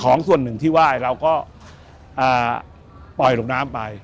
ส่วนหนึ่งที่ไหว้เราก็ปล่อยลงน้ำไป